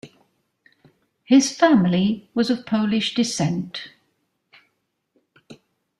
His family was of Polish descent.